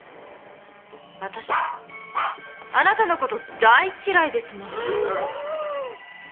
わたしあなたのこと大嫌いですもの。